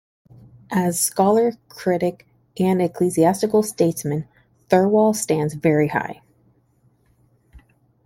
As scholar, critic and ecclesiastical statesman Thirlwall stands very high.